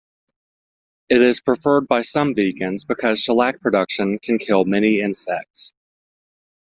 It is preferred by some vegans because shellac production can kill many insects.